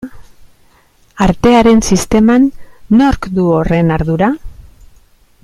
Artearen sisteman nork du horren ardura?